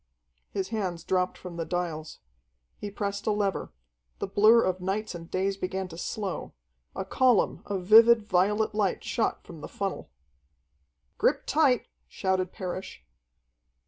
His hands dropped from the dials. He pressed a lever. The blur of nights and days began to slow. A column of vivid violet light shot from the funnel. "Grip tight!" shouted Parrish.